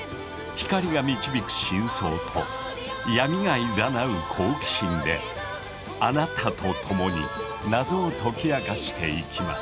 光が導く真相と闇がいざなう好奇心であなたと共に謎を解き明かしていきます。